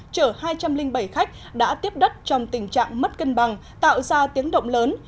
chở hai trăm linh bảy khách đã tiếp đất trong tình trạng mất cân bằng tạo ra tiếng động lớn